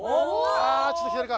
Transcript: あぁちょっと左か。